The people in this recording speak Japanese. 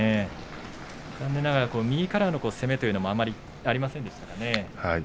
残念ながら右からの攻めというのもあまりありませんでしたね。